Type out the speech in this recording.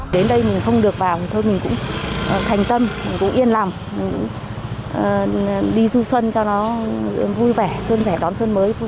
đến đây mình không được vào thôi mình cũng thành tâm mình cũng yên lòng đi du xuân cho nó vui vẻ xuân rẻ đón xuân mới